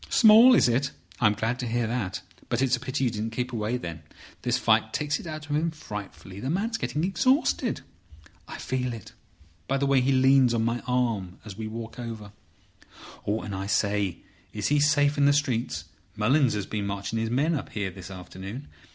"Small! Is it? I'm glad to hear that. But it's a pity you didn't keep away, then. This fight takes it out of him frightfully. The man's getting exhausted. I feel it by the way he leans on my arm as we walk over. And, I say, is he safe in the streets? Mullins has been marching his men up here this afternoon.